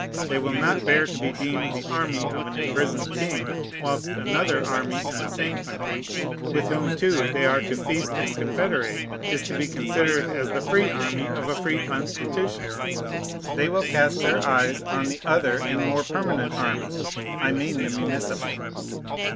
They will not bear to be deemed the army of an imprisoned king, whilst another army in the same country, with whom too they are to feast and confederate, is to be considered as the free army of a free Constitution. They will cast their eyes on the other and more permanent army: I mean the municipal.